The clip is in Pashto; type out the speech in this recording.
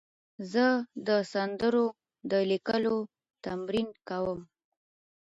زه د سندرو د لیکلو تمرین کوم.